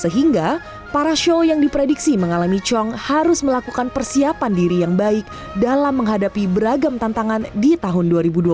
sehingga para show yang diprediksi mengalami cong harus melakukan persiapan diri yang baik dalam menghadapi beragam tantangan di tahun dua ribu dua puluh